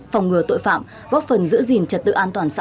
phòng ngừa tội phạm góp phần giữ gìn trật tự an toàn xã hội trên địa bàn